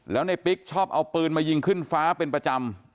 แล้วในปิ๊กชอบเอาปืนมายิงขึ้นฟ้าเป็นประจำ